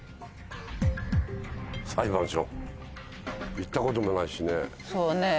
行ったこともないしねぇ。